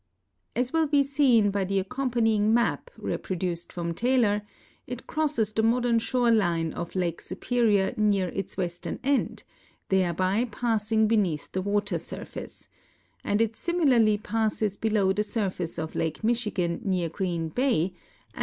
As will be seen by the accompanying map, reproduced from Taylor, it crosses the modern shore line of Lake Superior near its western end, thereby passing beneath the water surface ; and it similarly passes below the surface of Lake Michigan near Green bay, and below the iS^^Miixit», ^ ,'^<F^ ' Y' ^^' V«5 ,^.